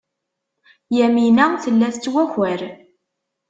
Yamina tella tettwakar.